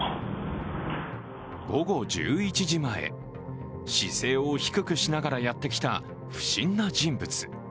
午後１１時前、姿勢を低くしながらやってきた不審な人物。